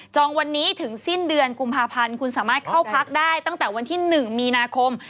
วันนี้ถึงสิ้นเดือนกุมภาพันธ์คุณสามารถเข้าพักได้ตั้งแต่วันที่๑มีนาคม